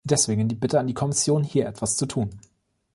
Deswegen die Bitte an die Kommission, hier etwas zu tun.